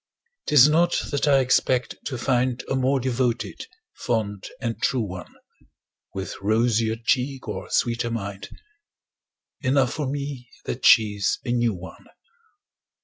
'Tis not that I expect to find A more devoted, fond and true one, With rosier cheek or sweeter mind Enough for me that she's a new one.